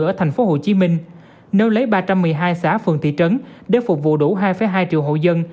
ở thành phố hồ chí minh nếu lấy ba trăm một mươi hai xã phường thị trấn để phục vụ đủ hai hai triệu hộ dân